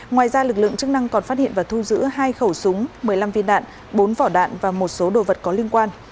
ngoài ra lực lượng chức năng còn phát hiện và thu giữ hai khẩu súng một mươi năm viên đạn bốn vỏ đạn và một số đồ vật có liên quan